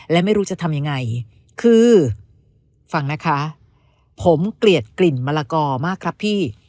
และไม่รู้จะทำยังไงคือฟังนะคะผมเกลียดกลิ่นมะละกอมากครับพี่